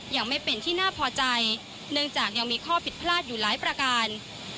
ยังไม่เป็นที่น่าพอใจเนื่องจากยังมีข้อผิดพลาดอยู่หลายประการ